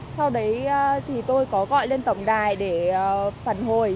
sau đấy thì tôi có gọi lên tổng đài để phản hồi